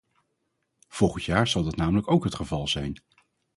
Volgend jaar zal dat namelijk ook het geval zijn.